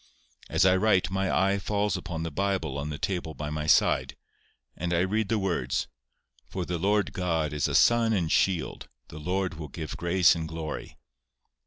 As I write, my eye falls upon the Bible on the table by my side, and I read the words, "For the Lord God is a sun and shield, the Lord will give grace and glory."